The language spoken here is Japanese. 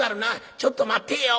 ちょっと待ってぇよ」。